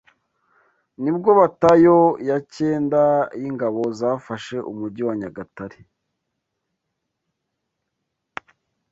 nibwo batayo ya cyenda y’ingabo zafashe Umujyi wa Nyagatare